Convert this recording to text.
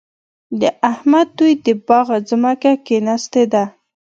د احمد دوی د باغ ځمکه کېنستې ده.